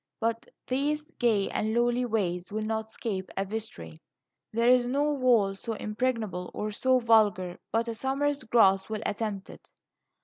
But these gay and lowly ways will not escape a vestry. There is no wall so impregnable or so vulgar, but a summer's grass will attempt it.